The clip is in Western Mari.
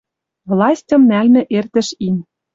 Властьым нӓлмӹ эртӹш ин.